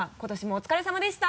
お疲れさまでした。